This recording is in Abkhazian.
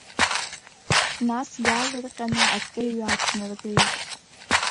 Нас, иаалырҟьаны акеҩ ааҭнаргеит.